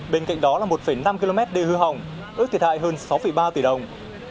bên cạnh đó là một năm km đê hư hỏng ước thiệt hại hơn sáu ba tỷ đồng